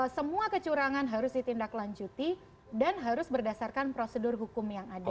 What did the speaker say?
semua kecurangan harus ditindaklanjuti dan harus berdasarkan prosedur hukum yang ada